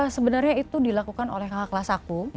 sebenarnya itu dilakukan oleh kakak kelas aku